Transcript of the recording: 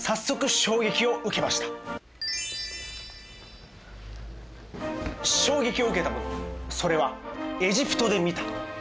衝撃を受けたものそれはエジプトで見た。